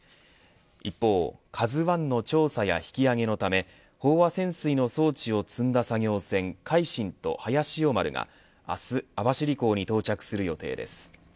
一方、ＫＡＺＵ１の調査や引き揚げのため飽和潜水の装置を積んだ作業船、海進と早潮丸が明日網走港に到着する予定です。